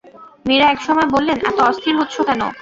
মীরা একসময় বললেন, এত অস্থির হচ্ছ কেন?